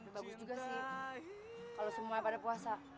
bagus juga sih kalau semuanya pada puasa